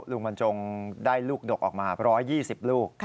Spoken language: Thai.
ลูกหมอนทองได้ลูกดวกออกมา๑๒๐ลูก